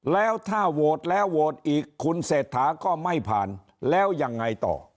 แล้วถ้าโหวตแล้วโหวตอีกคุณเศรษฐาก็ไม่ผ่านแล้วยังไงต่อ